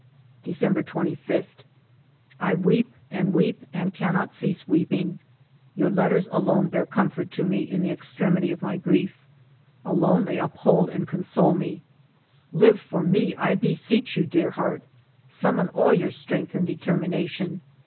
'* December 25. " I weep and weep, and cannot cease weeping. Your letters alone bear comfort to me in the ex tremity of my grief; alone they uphold and con sole me. Live for me, I beseech you, dear heart. Summon all your strength and determination.